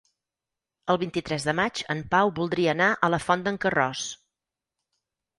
El vint-i-tres de maig en Pau voldria anar a la Font d'en Carròs.